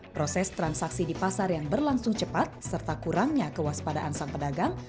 proses transaksi di pasar yang berlangsung cepat serta kurangnya kewaspadaan sang pedagang